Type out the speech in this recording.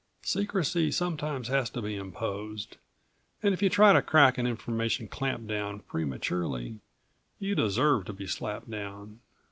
Secrecy sometimes has to be imposed, and if you try to crack an information clamp down prematurely you deserve to be slapped down.